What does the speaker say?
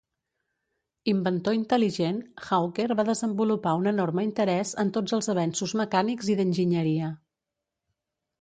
Inventor intel·ligent, Hawker va desenvolupar un enorme interès en tots els avenços mecànics i d'enginyeria.